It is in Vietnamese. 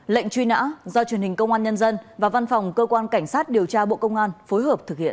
lệnh truy nã do truyền hình công an nhân dân và văn phòng cơ quan cảnh sát điều tra bộ công an phối hợp thực hiện